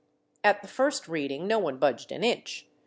At the first reading no one budged an inch.